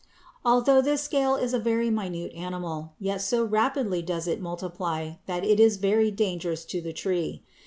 Although this scale is a very minute animal, yet so rapidly does it multiply that it is very dangerous to the tree.